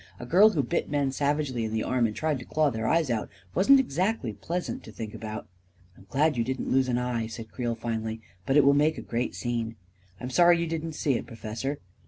A girl who bit men savagely in the arm and tried to claw their eyes out wasn't exactly pleasant to think about. 11 I'm glad you didn't lose an eye," said Creel a8o A KING IN BABYLON finally; " but it will make a great scene. I am sorry you didn't see it, Professor."